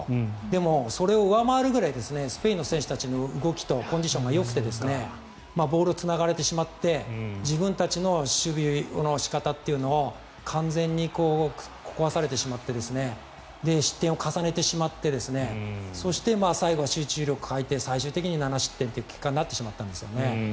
でも、それを上回るぐらいスペインの選手たちの動きとコンディションがよくてボールをつながれてしまって自分たちの守備の仕方というのを完全に壊されてしまって失点を重ねてしまってそして、最後、集中力を欠いて最終的に７失点という結果になってしまったんですね。